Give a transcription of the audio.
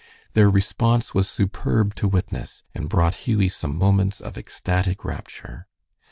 Their response was superb to witness, and brought Hughie some moments of ecstatic rapture.